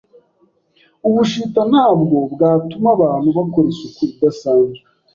Ubushita ntabwo bwatuma abantu bakora isuku idasanzwe